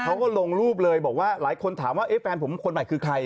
เขาก็ลงรูปเลยบอกว่าหลายคนถามว่าเอ๊ะแฟนผมคนใหม่คือใคร